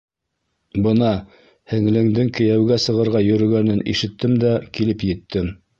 Бына һеңлеңдең кейәүгә сығырға йөрөгәнен ишеттем дә килеп еттем.